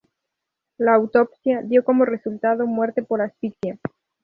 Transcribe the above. La autopsia dio como resultado muerte por asfixia.